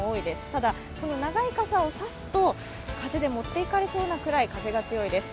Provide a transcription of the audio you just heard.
ただ、この長い傘を差すと風で持っていかれてしまうぐらい風が強いです。